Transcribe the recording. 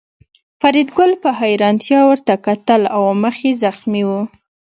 فریدګل په حیرانتیا ورته کتل او مخ یې زخمي و